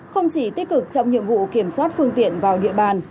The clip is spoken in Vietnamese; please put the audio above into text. không chỉ tích cực trong nhiệm vụ kiểm soát phương tiện vào địa bàn